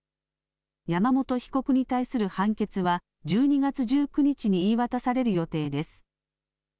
山本被告に対する判決は１２月１９日に言い渡される予定です。